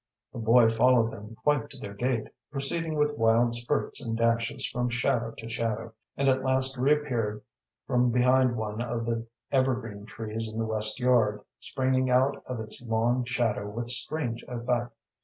The boy followed them quite to their gate, proceeding with wild spurts and dashes from shadow to shadow, and at last reappeared from behind one of the evergreen trees in the west yard, springing out of its long shadow with strange effect.